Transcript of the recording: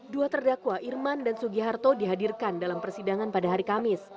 dua terdakwa irman dan sugiharto dihadirkan dalam persidangan pada hari kamis